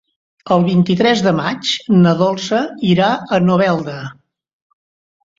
El vint-i-tres de maig na Dolça irà a Novelda.